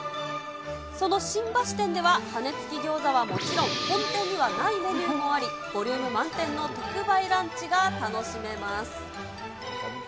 その新橋店では羽根付きギョーザはもちろん、本店にはないメニューもあり、ボリューム満点の特売ランチが楽しめます。